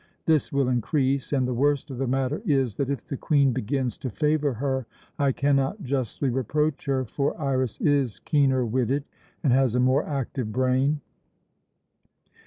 This will increase, and the worst of the matter is, that if the Queen begins to favour her, I cannot justly reproach her, for Iras is keener witted, and has a more active brain.